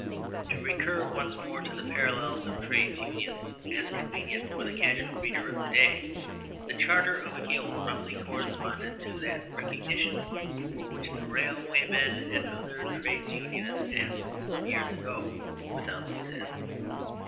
To recur once more to the parallel of Trades Unions, as convenient for the casual reader of to day, the Charter of a Guild roughly corresponded to that "recognition" for which the railwaymen and other trades unionists asked some years ago, without success.